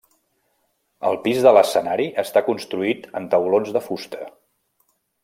El pis de l'escenari està construït en taulons de fusta.